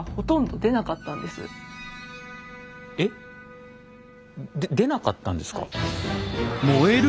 で出なかったんですか？